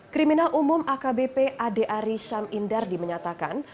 kriminal umum akbp ade ari syam indar dimenyatakan